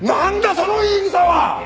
その言い草は！